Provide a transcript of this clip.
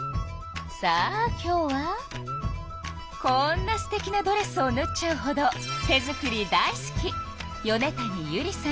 さあ今日はこんなすてきなドレスをぬっちゃうほど手作り大好き。